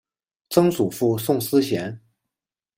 曾祖父宋思贤。